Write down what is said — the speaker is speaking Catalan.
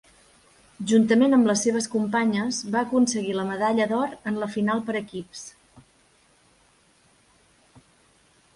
Juntament amb les seves companyes, va aconseguir la medalla d'or en la final per equips.